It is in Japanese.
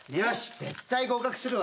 絶対合格するわ。